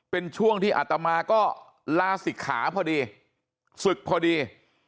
เป็นช่วงที่อัตมาก็ลาศิกขาพอดีศึกพอดี